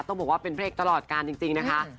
ต้องบอกว่าเป็นพระเอกตลอดการจริงนะคะ